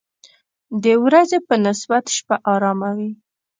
د ورځې په نسبت شپه آرامه وي.